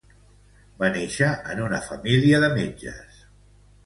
Va néixer en una família de metges.